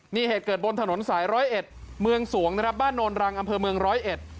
นี่เหตุเกิดบนถนนสายร้อยเอ็ดเมืองสวงนะครับบ้านโนนรังอำเภอเมืองร้อยเอ็ด